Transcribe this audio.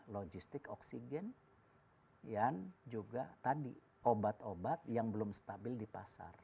logistik oksigen yang juga tadi obat obat yang belum stabil di pasar